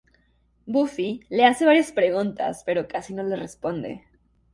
Buffy le hace varias preguntas pero Cassie no le responde.